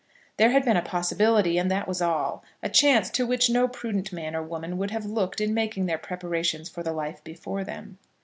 There had been a possibility, and that was all, a chance to which no prudent man or woman would have looked in making their preparations for the life before them.